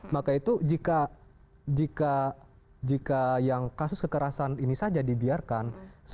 maka itu jika yang kasus kekerasan ini saja dibiarkan